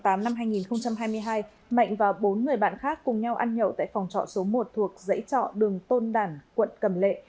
năm hai nghìn hai mươi hai mạnh và bốn người bạn khác cùng nhau ăn nhậu tại phòng trọ số một thuộc dãy trọ đường tôn đản quận cầm lệ